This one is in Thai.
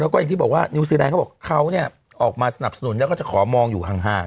แล้วก็อย่างที่บอกว่านิวซีแดงเขาบอกเขาเนี่ยออกมาสนับสนุนแล้วก็จะขอมองอยู่ห่าง